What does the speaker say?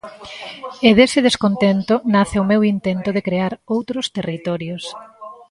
E dese descontento nace o meu intento de crear outros territorios.